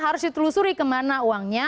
harus ditelusuri kemana uangnya